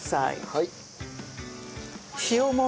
はい。